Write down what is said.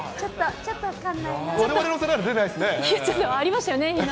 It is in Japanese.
ちょっと分かんないな。